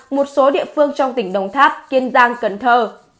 một số địa phương trong tỉnh đồng tháp kiên giang cần thơ